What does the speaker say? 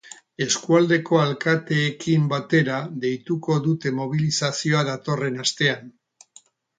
Eskualdeko alkateekin batera deituko dute mobilizazioa datorren astean.